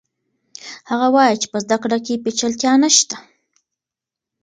هغه وایي چې په زده کړه کې پیچلتیا نشته.